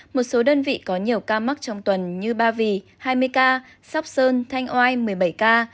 một số đơn vị có nhiều ca mắc trong tuần như ba vì hai mươi ca sóc sơn thanh oai một mươi bảy ca